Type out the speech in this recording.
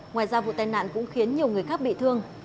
ngoài ra vụ tai nạn cũng khiến nhiều người khác bị thương